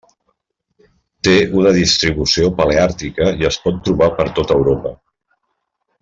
Té una distribució paleàrtica, i es pot trobar per tot Europa.